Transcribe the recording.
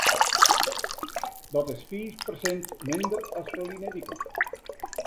Dat is fiif persint minder as ferline wike.